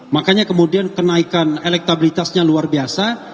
makanya kemudian kenaikan elektabilitasnya luar biasa